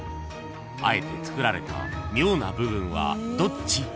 ［あえてつくられた妙な部分はどっち？］